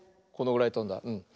このぐらいとんだね。